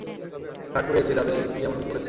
Shirt পুড়িয়েছি তাতে কী এমন ভুল করেছি?